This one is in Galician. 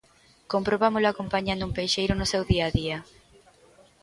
Comprobámolo acompañando un peixeiro no seu día a día.